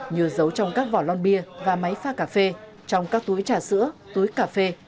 như giấu trong các vỏ lon bia và máy pha cà phê trong các túi trà sữa túi cà phê